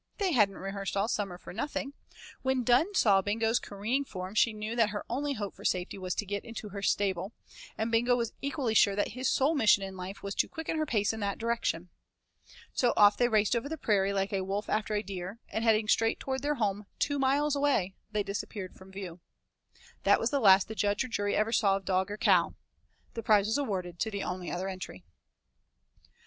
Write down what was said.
They hadn't rehearsed all summer for nothing. When Dunne saw Bingo's careering form she knew that her only hope for safety was to get into her stable, and Bingo was equally sure that his sole mission in life was to quicken her pace in that direction. So off they raced over the prairie, like a wolf after a deer, and heading straight toward their home two miles way, they disappeared from view. That was the last that judge or jury ever saw of dog or cow. The prize was awarded to the only other entry.